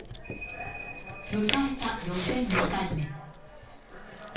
迎えた予選２回目。